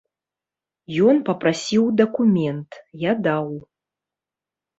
Ён папрасіў дакумент, я даў.